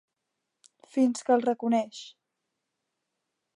Fins que el reconeix.